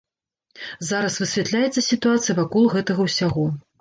Зараз высвятляецца сітуацыя вакол гэтага ўсяго.